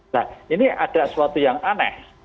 nah ini ada sesuatu yang aneh